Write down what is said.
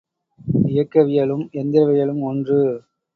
இயக்கவியலும் எந்திரவியலும் ஒன்று.